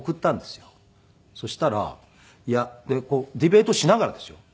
そしたらディベートしながらですよ。